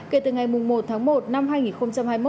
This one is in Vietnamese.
kể từ ngày một tháng một năm hai nghìn hai mươi một